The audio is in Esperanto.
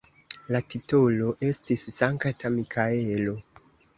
La titolo estis Sankta Mikaelo.